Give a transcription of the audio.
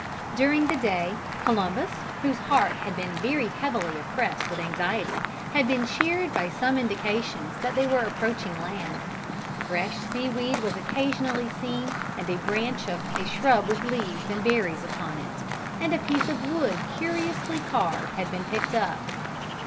During the day Columbus, whose heart had been very heavily oppressed with anxiety, had been cheered by some indications that they were approaching land. Fresh seaweed was occasionally seen and a branch of a shrub with leaves and berries upon it, and a piece of wood curiously carved had been picked up.